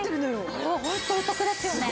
これはホントにお得ですよね。